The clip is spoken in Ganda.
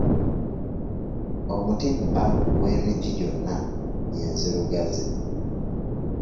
Omuti bba w'emiti gyonna ye nzirugaze.